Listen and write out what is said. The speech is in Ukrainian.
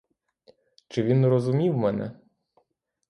Чи він розумів мене?